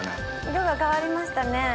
色が変わりましたね